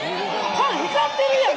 パン光ってるやん！